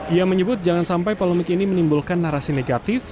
ia menyebut jangan sampai polemik ini menimbulkan narasi negatif